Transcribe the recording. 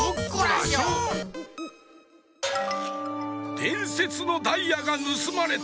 でんせつのダイヤがぬすまれた！